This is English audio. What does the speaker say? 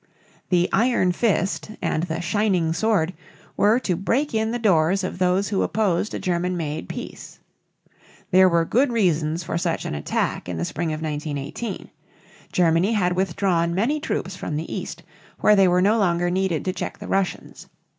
The "iron fist" and the "shining sword" were to break in the doors of those who opposed a German made peace. There were good reasons for such an attack in the spring of 1918. Germany had withdrawn many troops from the east, where they were no longer needed to check the Russians.